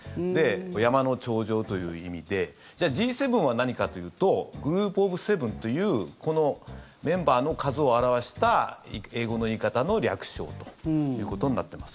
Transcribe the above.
山の頂上という意味でじゃあＧ７は何かというとグループ・オブ・セブンというこのメンバーの数を表した英語の言い方の略称ということになってます。